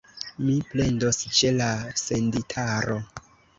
Mi plendos ĉe la senditaro.